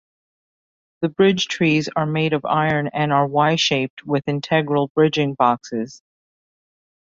The bridge trees are made of iron and are Y-shaped with integral bridging boxes.